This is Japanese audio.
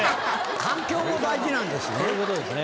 環境も大事なんですね。